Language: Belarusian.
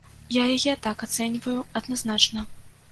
Я яе так ацэньваю адназначна.